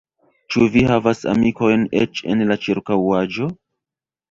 Ĉu vi havas amikojn eĉ en la ĉirkaŭaĵo?